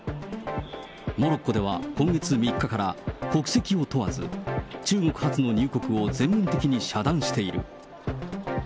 モロッコでは今月３日から、国籍を問わず、中国発の入国を全面的に遮断している。